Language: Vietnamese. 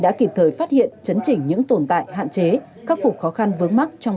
đã kịp thời phát hiện chấn chỉnh những tồn tại hạn chế khắc phục khó khăn vướng mắt trong